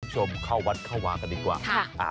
คุณผู้ชมเข้าวัดเข้าวางกันดีกว่า